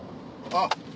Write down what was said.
あっ！